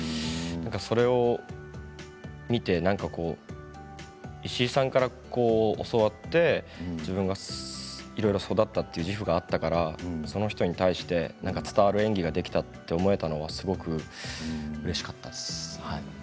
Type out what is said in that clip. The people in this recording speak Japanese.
それを見てなんか石井さんから教わって自分がいろいろ育ったという自負があったからその人に対して伝わる演技ができたと思えたのはすごくうれしかったです。